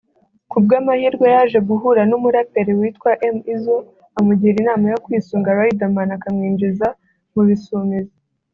Ku bw’amahirwe yaje guhura n’umuraperi witwa M-Izzo amugira inama yo kwisunga Riderman akamwinjiza mu Bisumizi